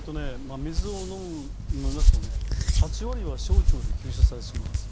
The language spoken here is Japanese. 水を飲みますと、８割は小腸で吸収されてしまうんです。